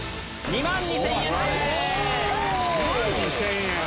２万２０００円！